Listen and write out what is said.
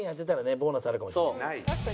ボーナスあるかもしれない。